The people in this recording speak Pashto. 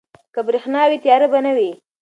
که برښنا وي، تیاره به نه وي.